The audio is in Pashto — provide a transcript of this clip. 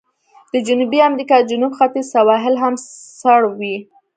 د جنوبي امریکا جنوب ختیځ سواحل هم سړ وي.